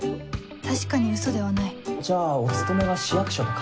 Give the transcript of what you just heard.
確かにウソではないじゃあお勤めは市役所とか？